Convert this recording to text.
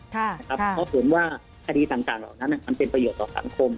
เพราะสมมุติที่คดีต่างเหล่านั้นเป็นประโยชน์ของสังคม